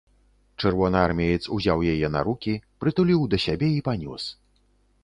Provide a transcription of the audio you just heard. Чырвонаармеец узяў яе на рукі, прытуліў да сябе і панёс.